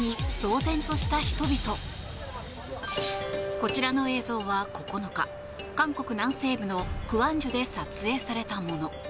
こちらの映像は９日韓国南西部の光州で撮影されたもの。